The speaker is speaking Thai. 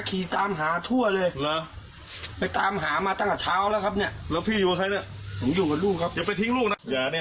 นี่น่ะอย่าลืมดูแลลูกนะครับผมเอ่อ